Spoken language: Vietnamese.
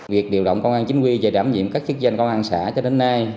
việc điều động công an chính quy về đảm nhiệm các chức danh công an xã cho đến nay